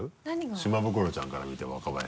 島袋ちゃんから見て若林さん。